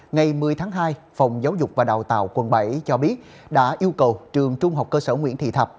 ngày một mươi tháng hai phòng giáo dục và đào tạo quận bảy cho biết đã yêu cầu trường trung học cơ sở nguyễn thị thập